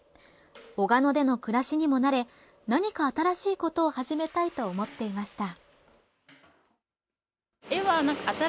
小鹿野での暮らしにも慣れ何か新しいことを始めたいと思っていました。